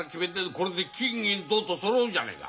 これで金銀銅とそろうじゃねえか。